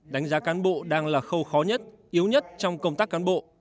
đánh giá cán bộ đang là khâu khó nhất yếu nhất trong công tác cán bộ